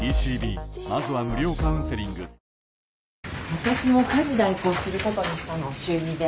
私も家事代行することにしたの週２で。